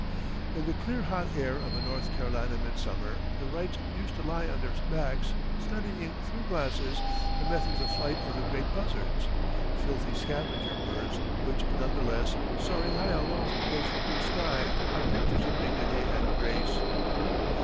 In the clear hot air of a North Carolina midsummer the Wrights used to lie on their backs studying through glasses the methods of flight of the great buzzards filthy scavenger birds which none the less soaring high aloft against a blue sky are pictures of dignity and grace.